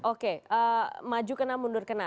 oke maju kena mundur kena